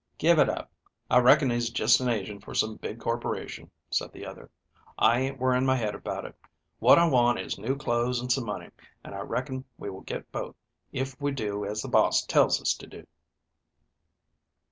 "Give it up. I reckon he's just an agent for some big corporation," said the other. "I ain't worrying my head about it. What I want is new clothes and some money, and I reckon we will get both if we do as the boss tells us to do."